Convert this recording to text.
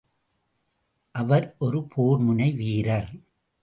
அவர் ஒரு போர் முனை வீரர்.